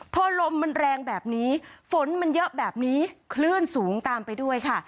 พอลมมันแรงแบบนี้ฝนมันเยอะแบบนี้คลื่นสูงตามไปด้วยค่ะ